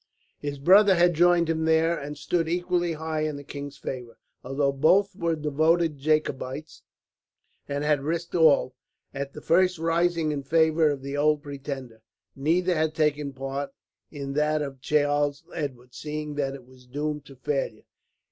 His brother had joined him there, and stood equally high in the king's favour. Although both were devoted Jacobites, and had risked all, at the first rising in favour of the Old Pretender, neither had taken part in that of Charles Edward, seeing that it was doomed to failure.